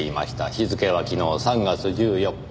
日付は昨日３月１４日。